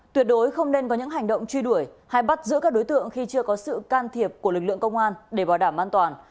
tuyệt đối không nên có những hành động truy đuổi hay bắt giữ các đối tượng khi chưa có sự can thiệp của lực lượng công an để bảo đảm an toàn